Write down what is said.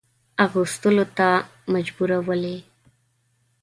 اغوستلو ته مجبورولې.